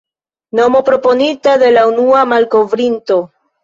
Nomo proponita de la unua malkovrinto.